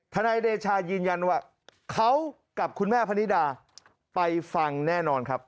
นายเดชายืนยันว่าเขากับคุณแม่พนิดาไปฟังแน่นอนครับ